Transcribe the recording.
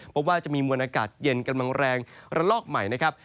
เพราะว่าจะมีมวลอากาศเย็นกำลังแรงระลอกใหม่นะครับ